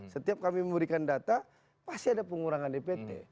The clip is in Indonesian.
setiap kami memberikan data pasti ada pengurangan dpt